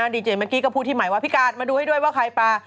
ดีเจเมื่อกี้ก็พูดที่ใหม่ว่าพี่การ์ดมาดูให้ด้วยว่าใครปลา